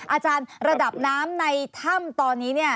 อาจารย์ระดับน้ำในถ้ำตอนนี้เนี่ย